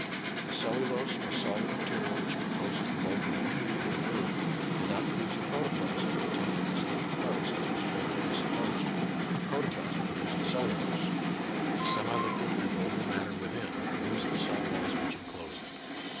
The cellulose or solid material which composes the bulk of a tree or herb did not produce the protoplasm contained in its living parts, as was formerly supposed, but the protoplasm produced the cellulose : the semi liquid and mobile matter within produced the cell walls which enclose it.